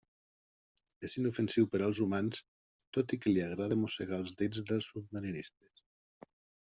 És inofensiu per als humans, tot i que li agrada mossegar els dits dels submarinistes.